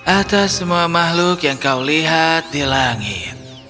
atas semua makhluk yang kau lihat di langit